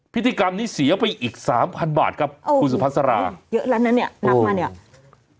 พิธีกรรมนี้เสียไปอีก๓๐๐๐บาทครับคุณสุภาษณ์สลาโอ้เยอะแล้วเนี่ยนักมาเนี่ย